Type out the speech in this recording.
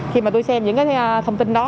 khi mà tôi xem những cái thông tin đó